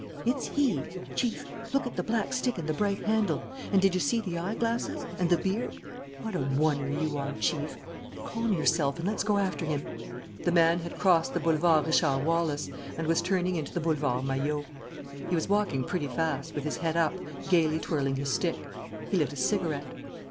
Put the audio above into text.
"It's he. Chief. Look at the black stick and the bright handle. And did you see the eyeglasses and the beard? What a oner you are, Chief!" "Calm yourself and let's go after him." The man had crossed the Boulevard Richard Wallace and was turning into the Boulevard Maillot. He was walking pretty fast, with his head up, gayly twirling his stick. He lit a cigarette.